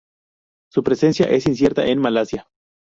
Su presencia es incierta en Malasia.